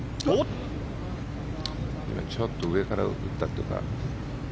今ちょっと上から打ったというか。